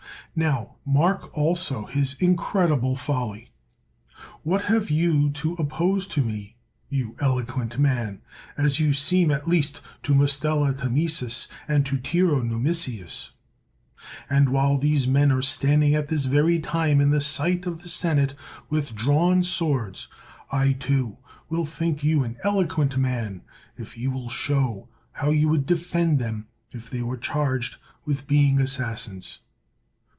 Now mark, also, his incredible folly. What have you to oppose to me, you eloquent man, as you seem at least to Mustela Tamisus, and to Tiro Numisiusf And while these men are standing at this very time in the sight of the senate with drawn swords, I, too, will think you an eloquent man if you will show how you would defend them if they were charged with being assassins.